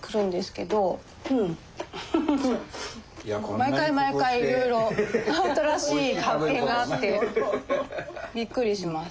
毎回毎回いろいろ新しい発見があってびっくりします。